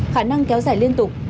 khả năng kéo dài liên tục